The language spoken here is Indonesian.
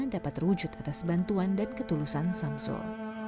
dapat terwujud atas bantuan dan ketulusan samsul